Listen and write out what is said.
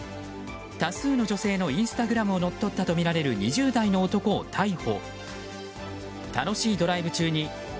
多数の女性のインスタグラムをのっとったとみられる２０代の男を逮捕。